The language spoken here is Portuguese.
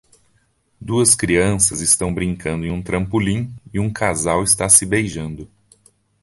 Duas crianças estão brincando em um trampolim e um casal está se beijando.